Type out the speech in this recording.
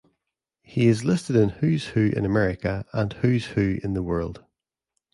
He is listed in Who's Who in America and Who's Who in the World.